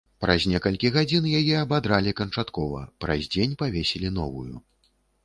Праз некалькі гадзін яе абадралі канчаткова, праз дзень павесілі новую.